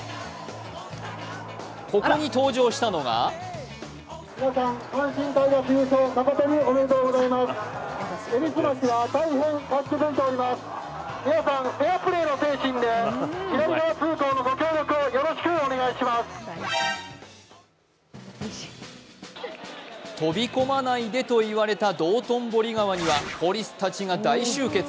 ここに登場したのが飛び込まないでと言われた道頓堀川にはポリスたちが大集結。